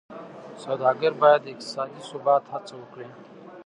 سوداګر باید د اقتصادي ثبات هڅه وکړي.